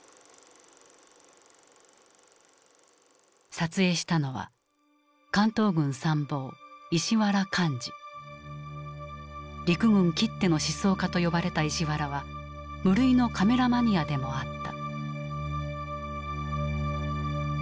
撮影したのは陸軍きっての思想家と呼ばれた石原は無類のカメラマニアでもあった。